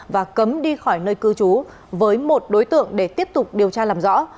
và cấm đi khỏi nơi cư trú với một đối tượng để tiếp tục điều tra làm rõ